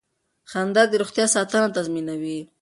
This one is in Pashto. خندا د روغتیا ساتنه تضمینوي.